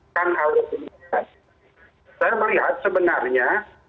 kita melihat sebenarnya